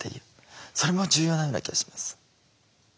それも重要なような気がします。